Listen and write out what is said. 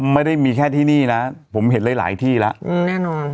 ไม่ได้มีแค่ที่นี่นะผมเห็นหลายหลายที่แล้วอืมแน่นอน